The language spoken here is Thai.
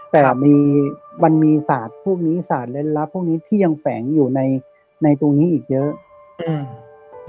แต่มีมันมีศาสตร์พวกนี้สารเล่นลับพวกนี้ที่ยังแฝงอยู่ในตรงนี้อีกเยอะ